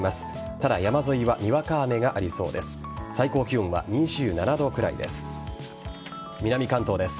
ただ、山沿いはにわか雨がありそうです。